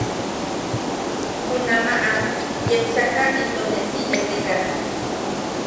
Junamaʼa yepsaka into ne si etekan.